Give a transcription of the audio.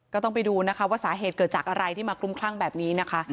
ก็ต้องไปดูนะคะว่าสาเหตุเกิดจากอะไรที่มาคลุมคลั่งแบบนี้นะคะ